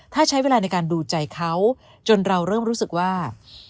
ถ้าใช้เวลาในการดูใจเขาจนเราเริ่มรู้สึกว่า